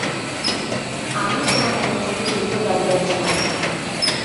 আমিই তোমার মনোযোগের যোগ্য দাবিদার ছিলাম।